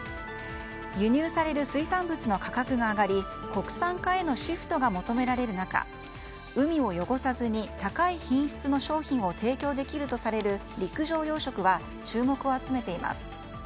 輸入される水産物の価格が上がり国産化へのシフトが求められる中海を汚さずに、高い品質の商品を提供できるとされる陸上養殖は注目を集めています。